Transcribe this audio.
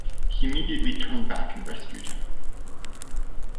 He immediately turned back and rescued him.